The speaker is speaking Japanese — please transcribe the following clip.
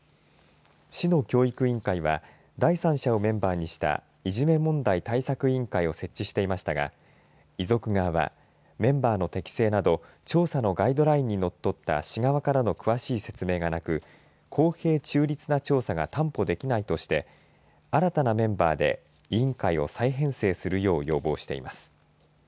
市の教育委員会は第三者をメンバーにしたいじめ問題対策委員会を設置していましたが遺族側はメンバーの適正など調査のガイドラインに則った市側からの詳しい説明がなく公平・中立な調査が担保できないとして新たなメンバーで委員会を再編成するよう要望しています。